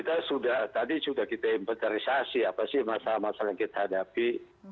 tadi sudah kita impetarisasi apa sih masalah masalah yang kita hadapi